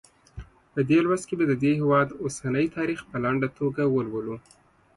په دې لوست کې به د دې هېواد اوسنی تاریخ په لنډه توګه ولولو.